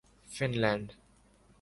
fun land